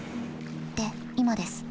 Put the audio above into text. で今です。